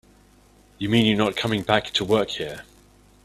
You mean you're not coming back to work here?